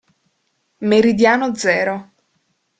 Meridiano Zero